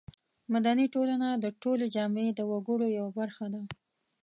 مدني ټولنه د ټولې جامعې د وګړو یوه برخه ده.